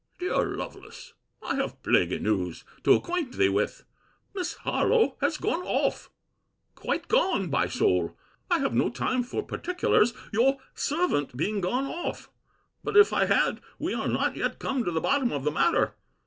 DEAR LOVELACE, I have plaguy news to acquaint thee with. Miss Harlowe is gone off!—Quite gone, by soul!—I have no time for particulars, your servant being gone off. But if I had, we are not yet come to the bottom of the matter.